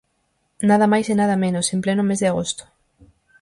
¡Nada máis e nada menos, en pleno mes de agosto!